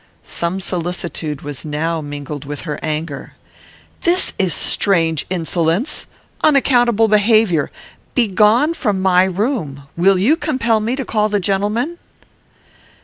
Some solicitude was now mingled with her anger. "This is strange insolence! unaccountable behaviour! begone from my room! will you compel me to call the gentlemen?"